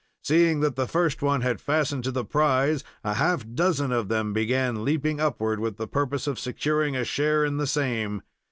Seeing that the first one had fastened to the prize, a half dozen of them began leaping upward with the purpose of securing a share in the same.